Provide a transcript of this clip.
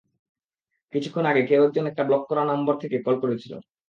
কিছুক্ষণ আগে কেউ একজন একটা ব্লক করা নম্বর থেকে কল করেছিলো।